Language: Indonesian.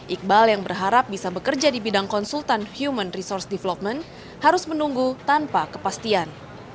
iqbal yang berharap bisa bekerja di bidang konsultan human resource development harus menunggu tanpa kepastian